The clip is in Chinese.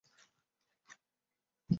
于是辽圣宗耶律隆绪将他处死。